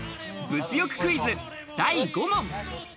物欲クイズ、第５問。